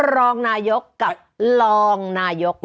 รองนายกกับรองนายก